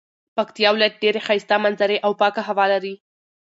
پکتيا ولايت ډيري ښايسته منظري او پاکه هوا لري